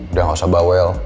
udah gak usah bawel